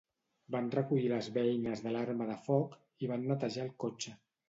Van recollir les beines de l'arma de foc i van netejar el cotxe.